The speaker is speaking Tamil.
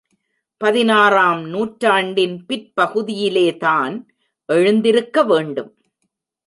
பதினாறாம் நூற்றாண்டின் பிற்பகுதியிலேதான் எழுந்திருக்க வேண்டும்.